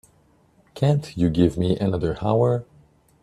Can't you give me another hour?